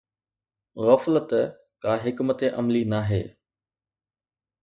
غفلت ڪا حڪمت عملي ناهي